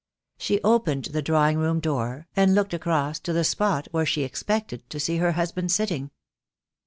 She opened the drawing room door, and looked across to the spot where she expected to see her husband sitting.